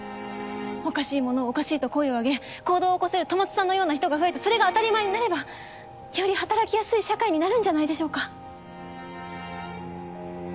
おかしいものをおかしいと声を上げ行動を起こせる戸松さんのような人が増えてそれが当たり前になればより働きやすい社会になるんじゃないでしょうか？